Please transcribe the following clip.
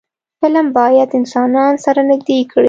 فلم باید انسانان سره نږدې کړي